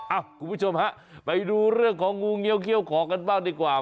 คุณผู้ชมฮะไปดูเรื่องของงูเงี้ยเขี้ยวขอกันบ้างดีกว่า